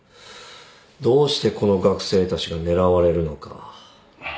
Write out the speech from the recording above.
どうしてこの学生たちが狙われるのか。